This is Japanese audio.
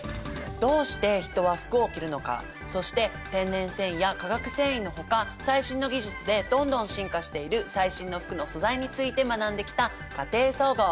どうして人は服を着るのかそして天然繊維や化学繊維のほか最新の技術でどんどん進化している最新の服の素材について学んできた「家庭総合」。